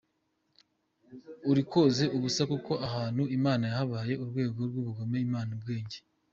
Urikoza ubusa kuko abahutu Imana yabahaye urwango n’ubugome ibima ubwenge.